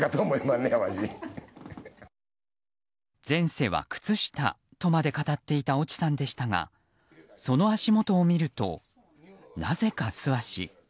前世は靴下とまで語っていた越智さんでしたがその足元を見ると、なぜか素足。